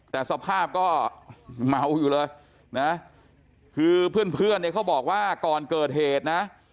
แต่สภาพก็เมาอยู่เลยนะคือเพื่อนเนี่ยเขาบอกว่าก่อนเกิดเหตุนะ